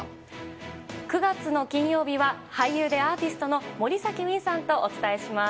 ９月の金曜日は俳優でアーティストの森崎ウィンさんとお伝えします。